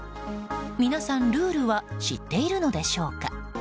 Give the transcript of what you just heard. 皆さん、ルールは知っているのでしょうか。